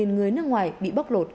một người nước ngoài bị bóc lột